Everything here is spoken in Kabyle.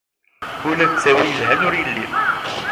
Ula d ttawil yelhan ur yelli.